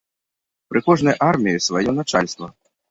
Пры кожнай арміі сваё начальства.